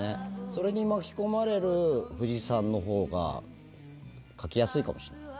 それに巻き込まれる藤さんのほうが書きやすいかもしんない